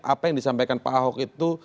apa yang disampaikan pak ahok itu